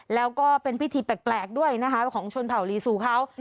แล้วก็เป็นพิธีแปลกด้วยนะคะของชนเผ่าลีซูเขา